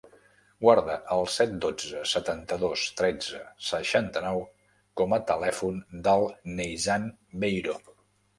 Guarda el set, dotze, setanta-dos, tretze, seixanta-nou com a telèfon del Neizan Beiro.